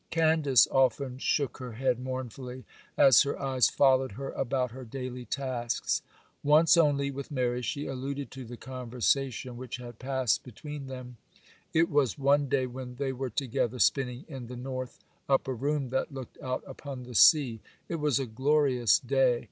Candace often shook her head mournfully, as her eyes followed her about her daily tasks. Once only, with Mary, she alluded to the conversation which had passed between them;—it was one day when they were together, spinning, in the north upper room that looked out upon the sea. It was a glorious day.